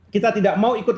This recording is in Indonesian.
kita tidak mau ikut